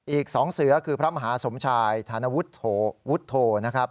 อีก๒เสือคือพระมหาสมชายธานวุฒโธนะครับ